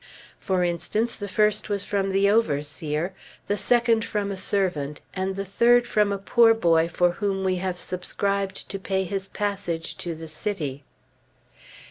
For instance, the first was from the overseer, the second from a servant, and the third from a poor boy for whom we have subscribed to pay his passage to the city.